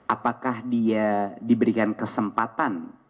apakah dia diberikan kesempatan